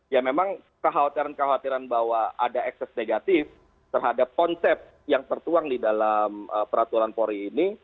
ya memang kekhawatiran kekhawatiran bahwa ada ekses negatif terhadap konsep yang tertuang di dalam peraturan polri ini